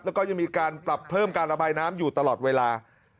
แล้วก็ยังมีการปรับเพิ่มการระบายน้ำอยู่ตลอดเวลา